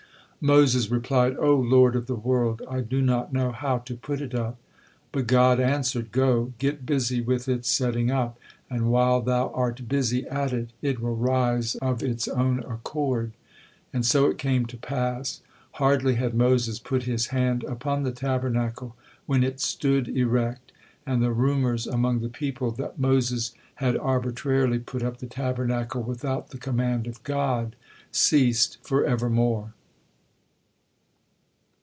Moses replied: "O Lord of the world! I do not know how to put it up." But God answered: "Go, get busy with its setting up, and while thou art busy at it, it will rise of its own accord." And so it came to pass. Hardly had Moses put his hand upon the Tabernacle, when it stood erect, and the rumors among the people that Moses had arbitrarily put up the Tabernacle without the command of God ceased forevermore.